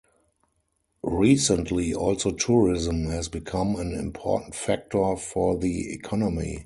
Recently, also tourism has become an important factor for the economy.